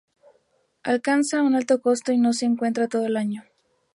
Alcanza un alto costo y no se encuentra todo el año.